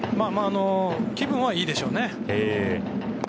気分はいいでしょうね。